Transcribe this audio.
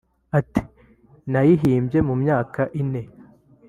Ati “Nayihimbye mu myaka ine